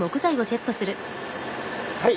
はい。